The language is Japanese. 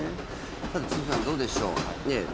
堤さん、どうでしょう。